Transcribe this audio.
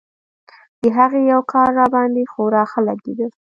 د هغې يو کار راباندې خورا ښه لګېده.